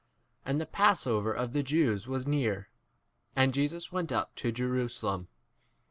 13 And the passover of the Jews was near, and Jesus went up to 14 Jerusalem.